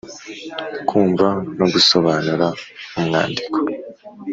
Kumva no gusobanura umwandiko